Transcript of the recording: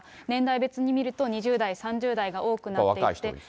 年代別に見ると、２０代、３０代が多くなっていて。